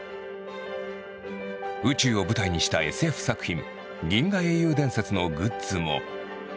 宇宙を舞台にしたＳＦ作品「銀河英雄伝説」のグッズも。